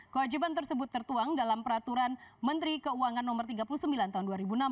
kewajiban tersebut tertuang dalam peraturan menteri keuangan no tiga puluh sembilan tahun dua ribu enam belas